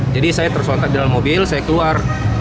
jadi saya tersontak dalam mobil saya keluar